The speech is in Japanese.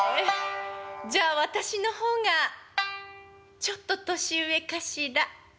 じゃあ私の方がちょっと年上かしら。